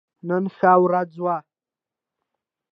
نن ښه ورځ وه